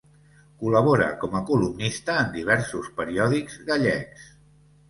Col·labora com a columnista en diversos periòdics gallecs.